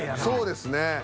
そうですね。